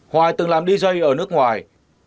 hoài từng làm dj ở nước ngoài